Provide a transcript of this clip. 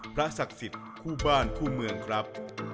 ศักดิ์สิทธิ์คู่บ้านคู่เมืองครับ